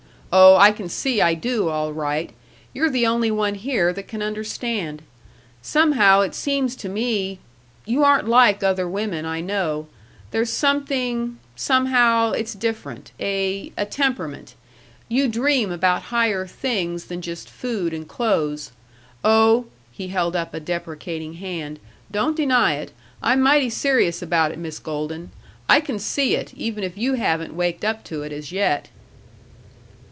Oh, I can see I do, all right. You're the only one here that can understand. Somehow it seems to me you aren't like other women I know. There's something somehow it's different. A a temperament. You dream about higher things than just food and clothes. Oh," he held up a deprecating hand, "don't deny it. I'm mighty serious about it, Miss Golden. I can see it, even if you haven't waked up to it as yet."